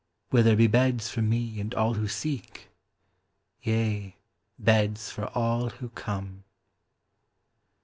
Will there be beds for me and all who seek? Yea, beds for all who come.